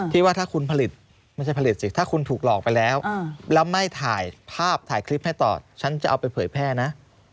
ที่ว่าถ้าคุณผลิตไม่ใช่ผลิตสิถ้าคุณถูกหลอกไปแล้วแล้วไม่ถ่ายภาพถ่ายคลิปให้ต่อฉันจะเอาไปเผยแพร่นะ